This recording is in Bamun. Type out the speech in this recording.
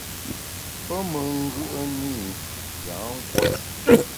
Pe me ngùe’ne i yâ nkùot.